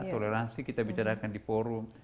toleransi kita bicarakan di forum